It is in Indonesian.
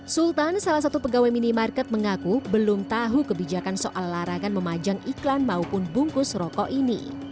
sultan salah satu pegawai minimarket mengaku belum tahu kebijakan soal larangan memajang iklan maupun bungkus rokok ini